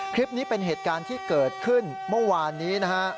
คลิปนี้เป็นเหตุการณ์ที่เกิดขึ้นเมื่อวานนี้นะฮะ